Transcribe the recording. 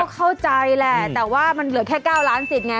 เข้าใจแหละแต่ว่ามันเหลือแค่๙ล้านสิทธิไง